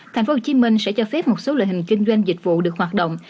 tp hcm sẽ cho phép một số loại hình kinh doanh dịch vụ được hoạt động